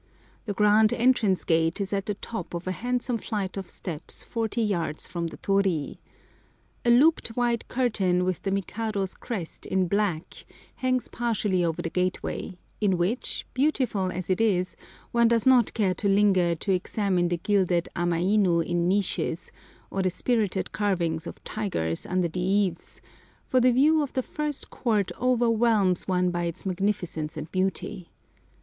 The grand entrance gate is at the top of a handsome flight of steps forty yards from the torii. A looped white curtain with the Mikado's crest in black, hangs partially over the gateway, in which, beautiful as it is, one does not care to linger, to examine the gilded amainu in niches, or the spirited carvings of tigers under the eaves, for the view of the first court overwhelms one by its magnificence and beauty.